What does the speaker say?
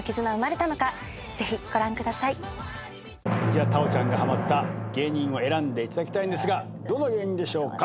土屋太鳳ちゃんがはまった芸人を選んでいただきたいんですがどの芸人でしょうか？